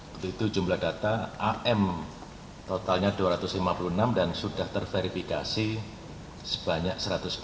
begitu jumlah data am totalnya dua ratus lima puluh enam dan sudah terverifikasi sebanyak satu ratus delapan puluh sembilan